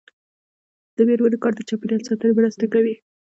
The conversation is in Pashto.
د میرمنو کار د چاپیریال ساتنې مرسته کوي.